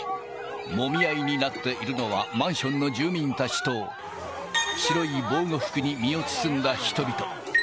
もみ合いになっているのは、マンションの住民たちと、白い防護服に身を包んだ人々。